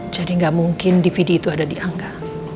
jadi gak mungkin dvd itu ada di angga